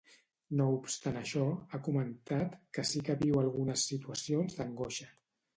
No obstant això, ha comentat que sí que viu algunes situacions d’angoixa.